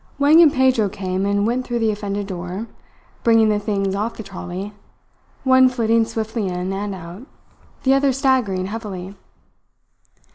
Wang and Pedro came and went through the offended door, bringing the things off the trolley, one flitting swiftly in and out, the other staggering heavily.